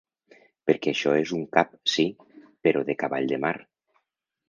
Perquè això és un cap, sí, però de cavall de mar.